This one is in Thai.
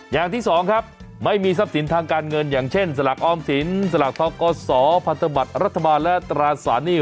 อย่างที่๒ครับไม่มีทรัพย์ศิลป์ทางการเงินอย่างเช่นสลักอ้อมศลสลักทล์กสศพัฒนาบัตรรัฐมารรณและตาราศนี่